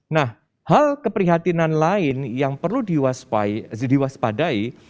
nah hal keprihatinan lain yang perlu diwaspadai